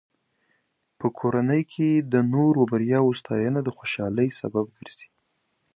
په کورنۍ کې د نورو بریاوو ستاینه د خوشحالۍ سبب ګرځي.